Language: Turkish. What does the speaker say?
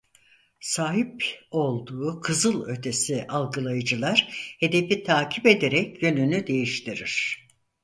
Sahip olduğu kızılötesi algılayıcılar hedefi takip ederek yönünü değiştirir.